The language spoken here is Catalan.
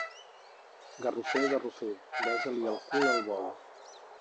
Garrofer, garrofer... besa-li el cul al bou.